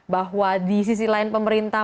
bahwa di sisi lain pemerintah